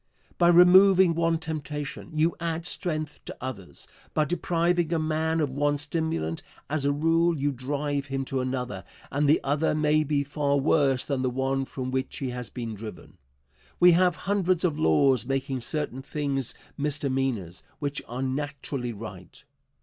By removing one temptation you add strength to others. By depriving a man of one stimulant, as a rule, you drive him to another, and the other may be far worse than the one from which he has been driven. We have hundreds of laws making certain things misdemeanors, which are naturally right.